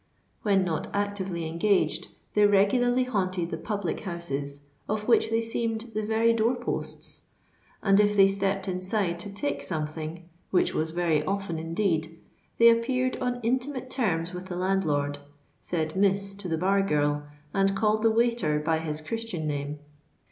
When not actively engaged, they regularly haunted the public houses, of which they seemed the very door posts; and if they stepped inside to take something, which was very often indeed, they appeared on intimate terms with the landlord, said "Miss" to the bar girl, and called the waiter by his Christian name.